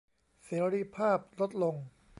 เสรีภาพลดลง